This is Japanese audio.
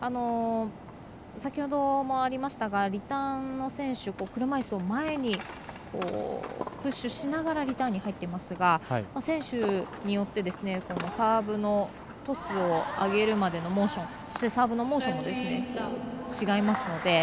先ほどもありましたがリターンの選手は車いすを前にプッシュしながらリターンに入っていますが選手によってサーブのトスを上げるまでのモーションそしてサーブのモーションも違いますので。